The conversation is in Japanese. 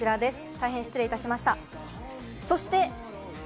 大変失礼いたしました。